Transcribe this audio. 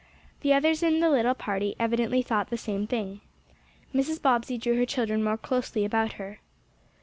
The others in the little party evidently thought the same thing. Mrs. Bobbsey drew her children more closely about her.